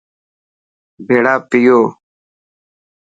ڀيڙا پيو